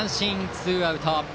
ツーアウト。